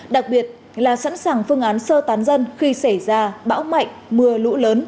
đặc biệt là sẵn sàng phương án sơ tán dân khi xảy ra bão mạnh mưa lũ lớn